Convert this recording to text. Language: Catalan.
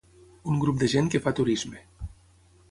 Un grup de gent que fa turisme.